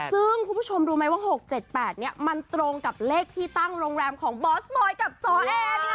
ซึ่งคุณผู้ชมรู้ไหมว่า๖๗๘เนี่ยมันตรงกับเลขที่ตั้งโรงแรมของบอสบอยกับซ้อแอด